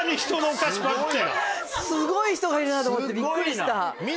すごい人がいるなと思ってビックリした。